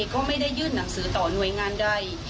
ก็ไม่ได้ยื่นหนังสือต่อหน่วยงานใด